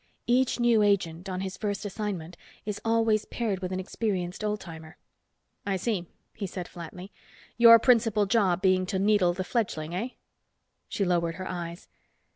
Each new agent, on his first assignment, is always paired with an experienced old timer." "I see," he said flatly. "Your principal job being to needle the fledging, eh?" She lowered her eyes.